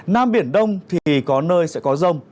nam biển đông thì có nơi sẽ có rông